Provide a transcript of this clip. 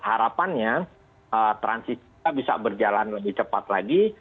harapannya transisi kita bisa berjalan lebih cepat lagi